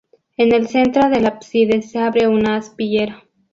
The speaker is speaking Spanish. En el centro del ábside, se abre una aspillera.